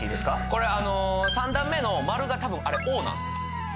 これ３段目の丸が多分あれＯなんですよＯ？